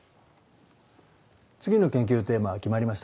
次の研究のテーマは決まりましたか？